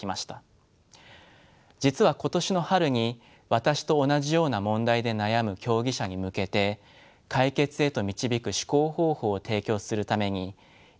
実は今年の春に私と同じような問題で悩む競技者に向けて解決へと導く思考方法を提供するために一冊の本を書きました。